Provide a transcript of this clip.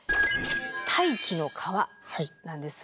「大気の河」なんです。